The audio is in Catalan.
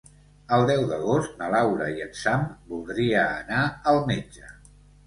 El deu d'agost na Laura i en Sam voldria anar al metge.